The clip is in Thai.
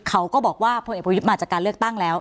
เขาก็บอกว่าพลเอกประยุทธ์มาจากการเลือกตั้งแล้ว